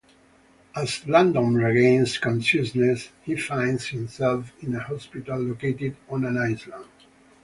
As Langdon regains consciousness, he finds himself in a hospital located on an island.